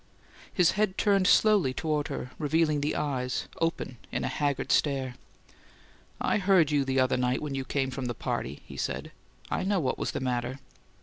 His head turned slowly toward her, revealing the eyes, open in a haggard stare. "I heard you the other night when you came from the party," he said. "I know what was the matter."